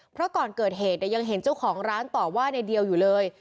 เพราะก่อนเกิดเหตุเนี่ยยังเห็นเจ้าของร้านตอบว่าในเดียวอยู่เลย